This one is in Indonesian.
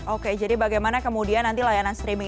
oke jadi bagaimana kemudian nanti layanan streaming